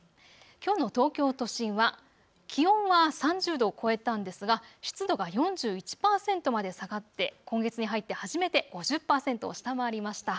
きょうの東京都心は気温は３０度を超えたんですが湿度が４１％まで下がって今月に入って初めて５０％を下回りました。